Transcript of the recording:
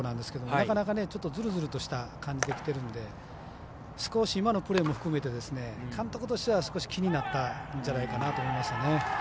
なかなか、ズルズルとした感じできているので少し今のプレーも含めて監督としては気になったんじゃないかなと思いますね。